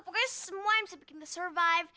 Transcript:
pokoknya semua yang bisa bikin the survive